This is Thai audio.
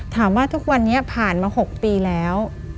ถามว่าทุกวันนี้ผ่านมา๖ปีแล้ว